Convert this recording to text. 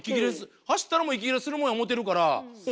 走ったらもう息切れするもんや思てるから。